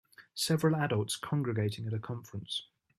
Several adults congregating at a conference.